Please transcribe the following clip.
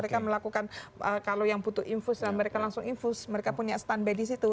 kalau yang butuh infus mereka langsung infus mereka punya standby di situ